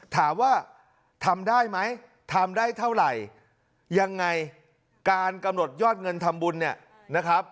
ถามว่าทำได้ไหมทำได้เท่าไหร่ยังไงการกำหนดยอดเงินทำบุญเนี่ยนะครับ